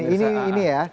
oh dibuka ini ya